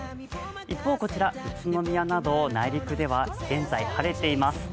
一方、こちら、宇都宮など内陸では、現在晴れています。